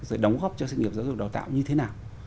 rồi đóng góp cho sự nghiệp giáo dục đào tạo như thế nào